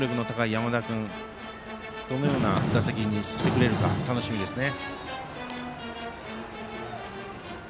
山田君がどのような打席にしてくるか楽しみですね。